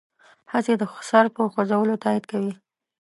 هسې د سر په خوځولو تایید کوي.